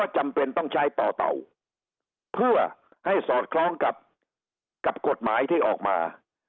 จำเป็นต้องใช้ต่อเต่าเพื่อให้สอดคล้องกับกฎหมายที่ออกมา